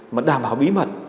mà đảm bảo bí mật